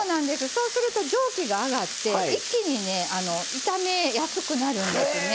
そうすると蒸気が上がって一気にね炒めやすくなるんですね。